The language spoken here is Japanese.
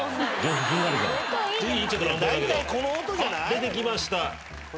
出てきました。